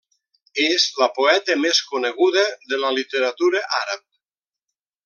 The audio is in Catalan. És la poeta més coneguda de la literatura àrab.